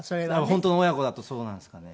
本当の親子だとそうなんですかね。